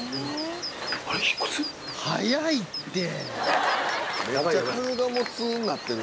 早いって！